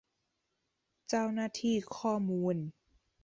เจ้าหน้าที่ข้อมูล